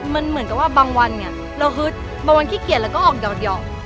มันเหมือนกับว่าบางวันเนี่ยเราฮึดบางวันขี้เกียจแล้วก็ออกดอก